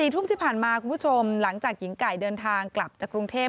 ทุ่มที่ผ่านมาคุณผู้ชมหลังจากหญิงไก่เดินทางกลับจากกรุงเทพ